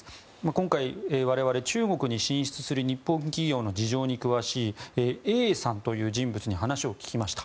今回我々は中国に進出する日本企業の事情に詳しいＡさんに話を聞きました。